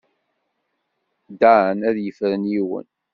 Dan ad yefren yiwen.